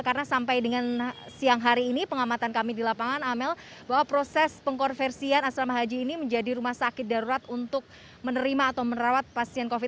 karena sampai dengan siang hari ini pengamatan kami di lapangan amel bahwa proses pengkorversian asrama haji ini menjadi rumah sakit darurat untuk menerima atau menerawat pasien covid sembilan belas